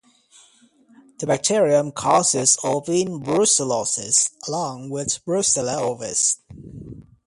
The bacterium causes ovine brucellosis, along with "Brucella ovis".